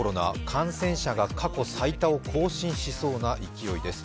感染者、過去最多を更新しそうな勢いです。